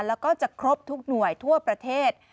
แล้วก็จะครบทุกหน่วยทั่วประเทศ